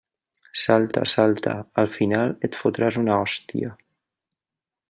Salta, salta, al final et fotràs una hòstia.